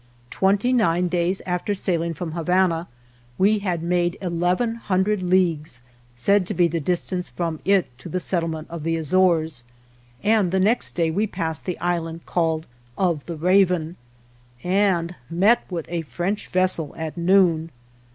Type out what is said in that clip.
Twenty nine days after sailing from Habana we had made eleven hundred leagues, said to be the distance from it to the settlement of the Azores, and the next day 185 THE JOURNEY OF we passed the island called of the raven, 65 and met with a French vessel at noon.